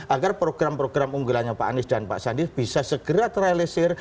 agar program program unggulannya pak anies dan pak sandi bisa segera terrealisir